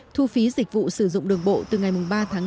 thu phí dịch vụ sử dụng đường bộ từ ngày ba tháng năm